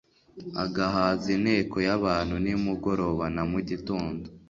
agahaza inteko y'abantu; nimugoroba na mu gitondo,